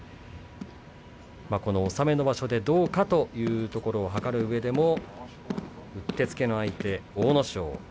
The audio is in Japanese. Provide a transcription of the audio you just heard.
納めの場所でどうかというところを図るうえでうってつけの相手、阿武咲です。